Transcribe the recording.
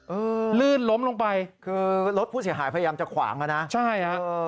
เออลื่นล้มลงไปคือรถผู้เสียหายพยายามจะขวางอ่ะนะใช่ฮะเออ